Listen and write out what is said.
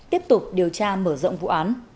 tiếp tục điều tra mở rộng vụ án